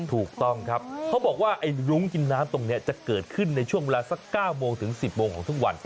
ถูกต้องครับเขาบอกว่าไอ้รุ้งกินน้ำตรงนี้จะเกิดขึ้นในช่วงเวลาสัก๙โมงถึง๑๐โมงของทุกวัน